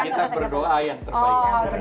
jadi kita berdoa yang terbaik